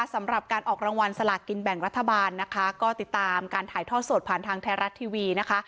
สำหรับการออกรางวัลสลากินแบ่งรัฐบาลนะคะก็ติดตามการถ่ายทอดสดผ่านทางไทยรัฐทีวีนะคะ